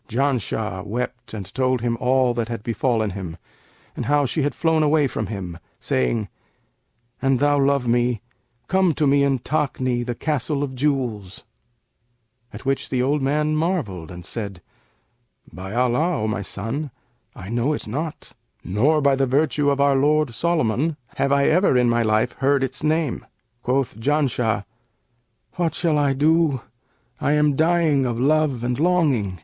Janshah wept and told him all that had befallen him and how she had flown away from him, saying, 'An thou love me, come to me in Takni, the Castle of Jewels;' at which the old man marvelled and said, 'By Allah, O my son, I know it not, nor, by the virtue of our lord Solomon, have I ever in my life heard its name!' Quoth Janshah, 'What shall I do? I am dying of love and longing.'